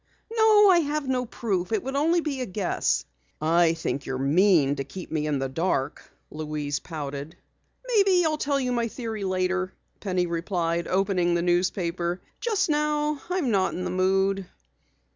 "No, I have no proof. It would only be a guess." "I think you're mean to keep me in the dark," Louise pouted. "Maybe I'll tell you my theory later," Penny replied, opening the newspaper. "Just now, I'm not in the mood."